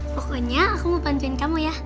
pokoknya aku mau bantuin kamu ya